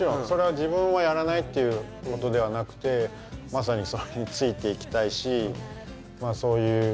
それは自分はやらないっていうことではなくてまさにそれについていきたいしそういう。